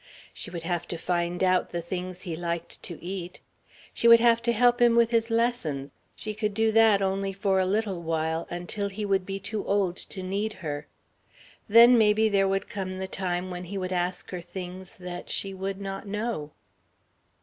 She would have to find out the things he liked to eat. She would have to help him with his lessons she could do that for only a little while, until he would be too old to need her. Then maybe there would come the time when he would ask her things that she would not know....